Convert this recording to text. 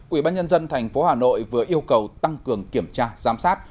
ủy ban nhân dân thành phố hà nội vừa yêu cầu tăng cường kiểm tra giám sát